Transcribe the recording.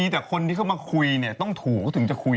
แต่คนที่เขามาคุยนี่ต้องถูก